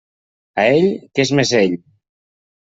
A ell, que és mesell!